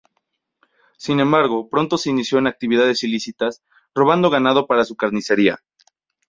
Sin embargo, pronto se inició en actividades ilícitas, robando ganado para su carnicería.